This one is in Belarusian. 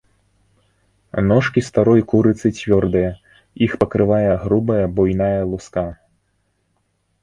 Ножкі старой курыцы цвёрдыя, іх пакрывае грубая буйная луска.